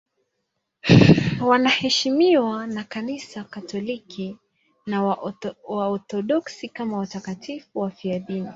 Wanaheshimiwa na Kanisa Katoliki na Waorthodoksi kama watakatifu wafiadini.